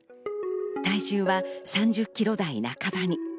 体重は３０ｋｇ台半ばに。